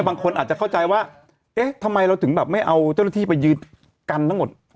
บางคนอาจจะเข้าใจว่าเอ๊ะทำไมเราถึงแบบไม่เอาเจ้าหน้าที่ไปยืนกันทั้งหมด